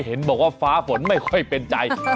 เห็นบอกว่าฟ้าฝนไม่ค่อยเป็นใจ